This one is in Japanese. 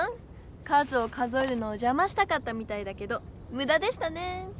数を数えるのをじゃましたかったみたいだけどむだでしたねぇ！